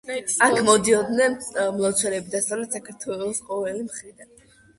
აქ მოდიოდნენ მლოცველები დასავლეთ საქართველოს ყოველი მხრიდან.